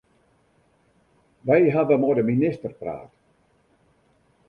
Wy hawwe mei de minister praat.